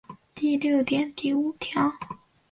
第六条第五点